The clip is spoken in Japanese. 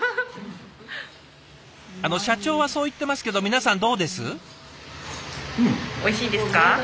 あの社長はそう言ってますけど皆さんどうです？